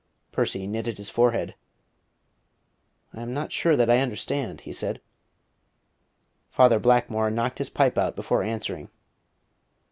Percy knitted his forehead. "I am not sure that I understand," he said. Father Blackmore knocked his pipe out before answering.